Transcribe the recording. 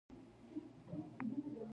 د هغه په لیک کې ډېر پیاوړی احساس و